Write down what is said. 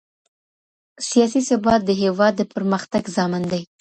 سياسي ثبات د هېواد د پرمختګ ضامن دی.